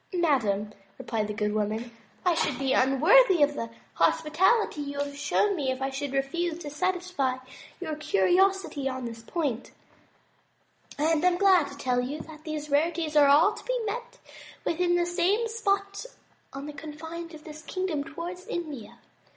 "Madame," replied the good woman, "I should be un worthy the hospitality you have shown me if I should refuse to satisfy your curiosity on this point, and am glad to tell you that these rarities are all to be met with in the same spot on the con fines of this kingdom, towards India.